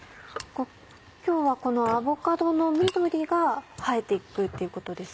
今日はこのアボカドの緑が映えていくっていうことですよね。